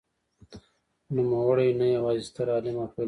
نوموړی نه یوازې ستر عالم او فیلسوف و.